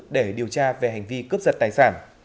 để điều tra về hành vi cướp giật tài sản